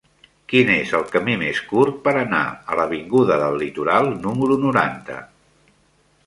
Quin és el camí més curt per anar a l'avinguda del Litoral número noranta?